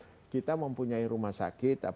karena kita mempunyai rumah sakit